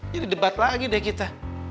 debat lagi deh kita